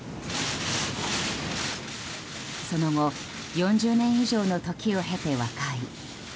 その後４０年以上の時を経て、和解。